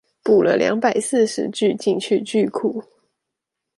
補了兩百四十句進去句庫